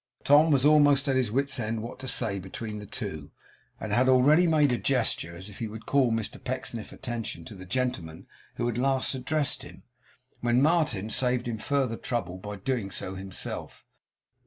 Tom was almost at his wit's end what to say between the two, and had already made a gesture as if he would call Mr Pecksniff's attention to the gentleman who had last addressed him, when Martin saved him further trouble, by doing so himself.